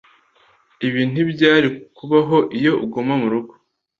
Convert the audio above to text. Ibi ntibyari kubaho iyo uguma murugo.